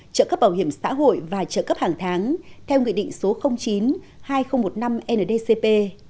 trợ cấp bảo hiểm xã hội và trợ cấp hàng tháng theo nghị định số chín hai nghìn một mươi năm ndcp